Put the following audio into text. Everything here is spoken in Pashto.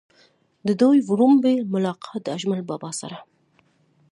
د دوي وړومبے ملاقات د اجمل بابا سره